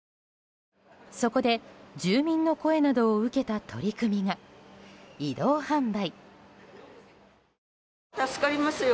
そこで、住民の声などを受けた取り組みが移動販売。